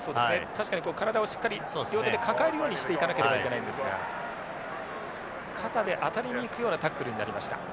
確かに体をしっかり両手で抱えるようにして行かなければいけないんですが肩で当たりに行くようなタックルになりました。